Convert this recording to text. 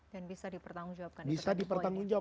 dan bisa dipertanggung jawab